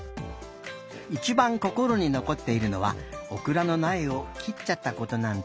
いちばんこころにのこっているのはオクラのなえを切っちゃったことなんだって。